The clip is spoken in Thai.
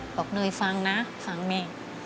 เนยฟังนะฟังแม่